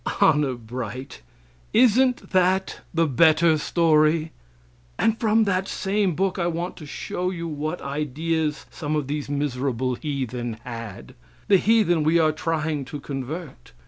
Honor bright, isn't that the better story? And from that same book I want to show you what ideas some of these miserable heathen had the heathen we are trying to convert.